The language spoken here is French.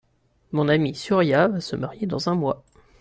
Mon amie Surya va se marier dans un mois.